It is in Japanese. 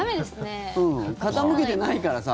傾けてないからさ。